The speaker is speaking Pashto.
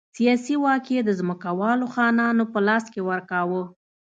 سیاسي واک یې د ځمکوالو خانانو په لاس کې ورکاوه.